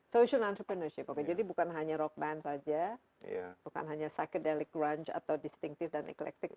social entrepreneurship oke jadi bukan hanya rock band saja bukan hanya psychedelic grunge atau distinktif dan eklektik tapi